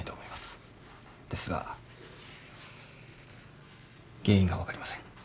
ですが原因が分かりません。